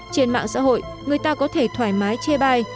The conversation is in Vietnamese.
trên mạng xã hội người ta có thể thoải mái chê bai